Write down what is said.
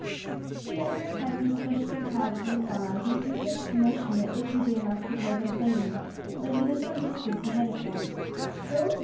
The younger cousins pushed and crowded and quarreled, making such a commotion that Dickie Deer Mouse could hear them plainly, though he was some distance ahead of them.